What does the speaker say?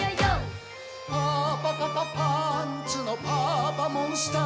「パパパパパンツのパパモン★スター」